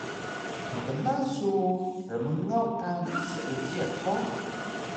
Mkla su rmngaw kari Seejiq hug?